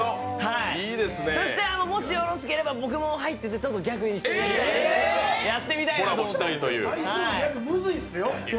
そしてもしよろしければ僕も入ってギャグ一緒にやってみたいなと思って。